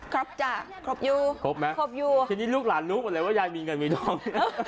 ครับจ้ะครบอยู่ครบไหมครบอยู่ทีนี้ลูกหลานรู้หมดเลยว่ายายมีเงินมีทอง